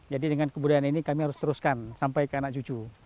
jadi dengan kebudayaan ini kami harus teruskan sampai ke anak cucu